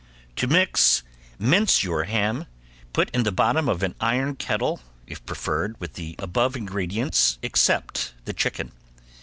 To mix, mince your ham, put in the bottom of an iron kettle if preferred with the above ingredients except the chicken.